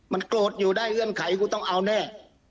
มันโกรธอยู่ได้เงื่อนไขกูต้องเอาแน่